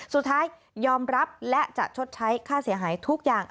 สุดท้ายยอมรับและจะชดใช้ค่าเสียหายทุกอย่าง